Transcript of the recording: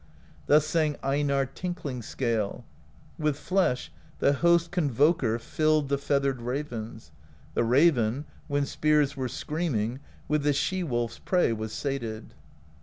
Thus sang Einarr Tinkling Scale: With flesh the Host Convoker Filled the feathered ravens: The raven, when spears were screaming. With the she wolPs prey was sated.